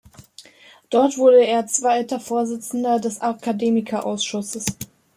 Dort wurde er zweiter Vorsitzender des Akademiker-Ausschusses.